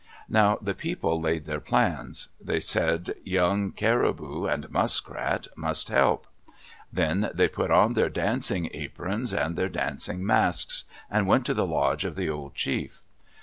Now the people laid their plans. They said Young Caribou and Muskrat must help. Then they put on their dancing aprons and their dancing masks, and went to the lodge of the old chief.